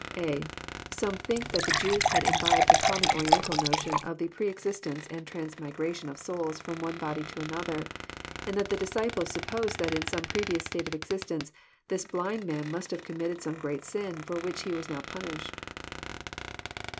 (a) Some think that the Jews had imbibed the common Oriental notion of the pre existence and transmigration of souls fVom one body to another, and that the disciples supposed that in some previous state of existence this blind man must have committed some great sin, for which he was now punished.